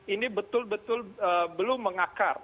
ini betul betul belum mengakar